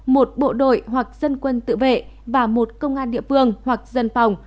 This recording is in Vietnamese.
một bộ đội hoặc dân quân tự vệ và một công an địa phương hoặc dân phòng